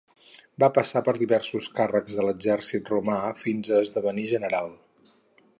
Va passar per diversos càrrecs de l'exèrcit romà fins a esdevenir general.